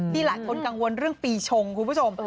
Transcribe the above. หลายคนกังวลเรื่องปีชงคุณผู้ชม